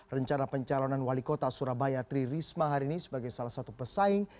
rencana pencalonan wali kota surabaya tri risma hari ini sebagai salah satu pesaing